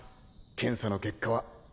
検査の結果は。